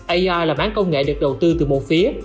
air là bán công nghệ được đầu tư từ một phía